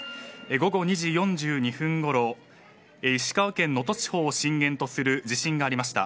午後２時４５分ごろ石川県能登地方を震源とする地震がありました。